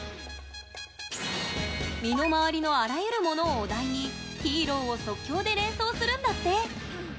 身の回りのあらゆるモノをお題にヒーローを即興で連想するんだって。